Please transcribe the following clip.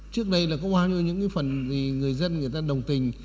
trước đây là có bao nhiêu những phần người dân người ta đồng tình